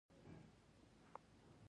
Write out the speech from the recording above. چین اقتصادي وده دوام لري.